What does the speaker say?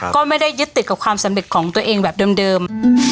ก็ไม่ได้ยึดติดกับความสำเร็จของตัวเองแบบเดิม